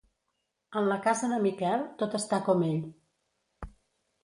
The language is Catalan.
En la casa de Miquel, tot està com ell.